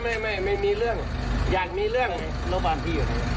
ไม่ไม่มีเรื่องอยากมีเรื่องเราบ้านพี่อยู่ไหน